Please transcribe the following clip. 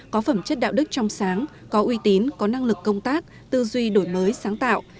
có phẩm chất đạo đức trong sáng có uy tín có năng lực công tác tư duy đổi mới sáng tạo